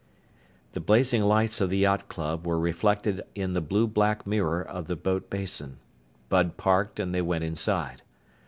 The blazing lights of the yacht club were reflected in the blue black mirror of the boat basin. Bud parked and they went inside.